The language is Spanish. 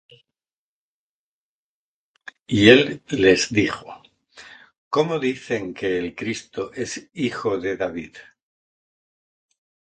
Y él les dijo: ¿Cómo dicen que el Cristo es hijo de David?